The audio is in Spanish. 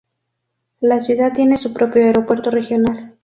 La ciudad tiene su propio aeropuerto regional.